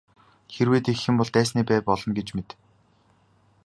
Хэрвээ тэгэх юм бол дайсны бай болно гэж мэд.